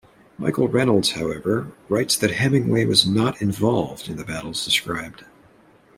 Michael Reynolds, however, writes that Hemingway was not involved in the battles described.